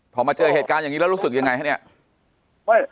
พอมาเจอเหตุการณ์อย่างนี้แล้วรู้สึกยังไงคะเนี่ย